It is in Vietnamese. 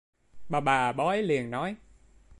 Bà bà bói liền nói